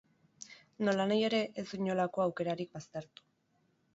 Nolanahi ere, ez du inolako aukerarik baztertu.